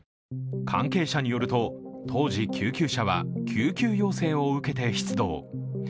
関係者によると、当時、救急車は救急要請を受けて出動。